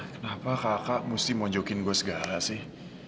kenapa kakak mesti mojokin gue segala sih